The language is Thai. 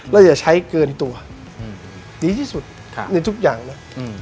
อย่าใช้เกินตัวดีที่สุดในทุกอย่างเลย